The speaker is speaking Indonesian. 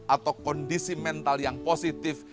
atau kondisi mental yang positif